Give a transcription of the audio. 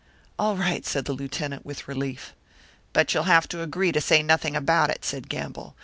"All right," said the Lieutenant, with relief. "But you'll have to agree to say nothing about it," said Gamble.